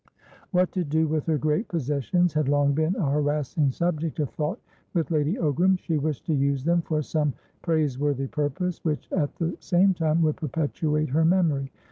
What to do with her great possessions had long been a harassing subject of thought with Lady Ogram. She wished to use them for some praiseworthy purpose, which, at the same time, would perpetuate her memory.